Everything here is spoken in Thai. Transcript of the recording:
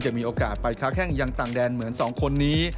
มีโอกาสไปค้าแข้งยังต่างแดนเหมือน๒คนนี้